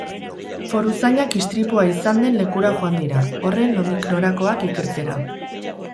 Foruzainak istripua izan den lekura joan dira, horren nondik norakoak ikertzera.